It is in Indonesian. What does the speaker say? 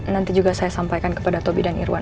nanti juga saya sampaikan kepada tobi dan irwan